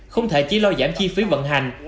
không thể chỉ lo giảm chi phí vận hành